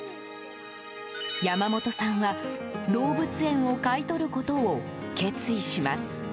山本さんは、動物園を買い取ることを決意します。